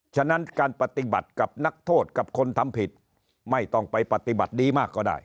ฉะนั้นการปฏิบัติกับนักโทษกับคนทำผิดไม่ต้องไปปฏิบัติดีมากก็ได้